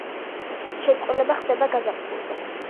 შეწყვილება ხდება გაზაფხულზე.